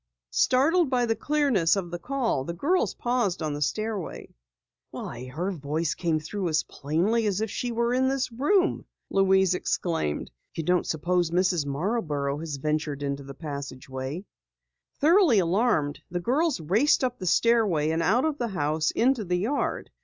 Startled by the clearness of the call, the girls paused on the stairway. "Why, her voice came through as plainly as if she were in this room!" Louise exclaimed. "You don't suppose Mrs. Marborough has ventured into the passageway?" Thoroughly alarmed, the girls raced up the stairway and out of the house into the yard.